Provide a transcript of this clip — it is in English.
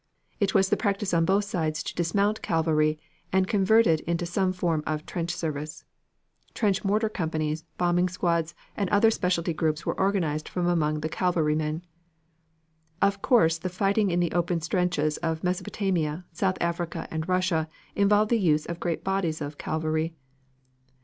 It was the practice on both sides to dismount cavalry and convert it into some form of trench service. Trench mortar companies, bombing squads, and other specialty groups were organized from among the cavalrymen. Of course the fighting in the open stretches of Mesopotamia, South Africa and Russia involved the use of great bodies of cavalry.